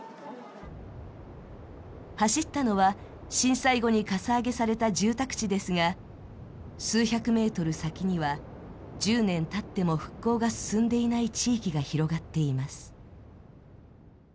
走ったのは震災後にかさ上げされた住宅地ですが、数百ｍ先には１０年たっても復興が進んでいない地域が広がっています。